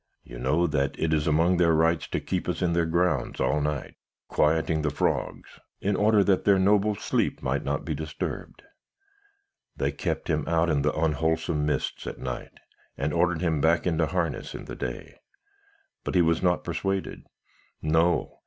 You know that it is among their Rights to keep us in their grounds all night, quieting the frogs, in order that their noble sleep may not be disturbed. They kept him out in the unwholesome mists at night, and ordered him back into harness in the day. But he was not persuaded. No!